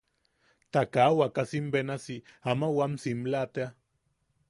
Ta kaa wakasim benasi ama wam simla tea.